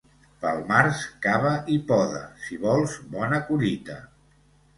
Pel març cava i poda, si vols bona collita.